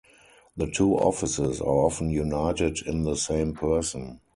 The two offices are often united in the same person.